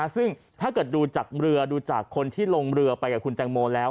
ซึ่งถ้าเกิดดูจากเรือดูจากคนที่ลงเรือไปกับคุณแตงโมแล้ว